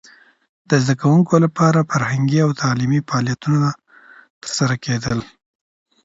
د زده کوونکو لپاره فرهنګي او تعلیمي فعالیتونه ترسره کېدل.